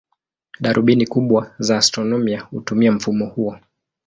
Darubini kubwa za astronomia hutumia mfumo huo.